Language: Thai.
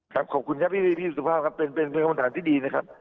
ขอบคุณครับพี่สุภาพครับเป็นคำถามที่ดีนะครับ